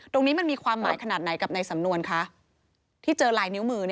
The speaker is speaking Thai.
ตรงนี้มันมีความหมายขนาดไหนกับในสำนวนคะที่เจอลายนิ้วมือ